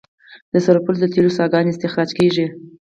د سرپل د تیلو څاګانې استخراج کیږي